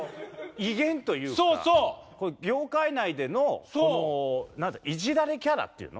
威厳というか業界内でのいじられキャラっていうの？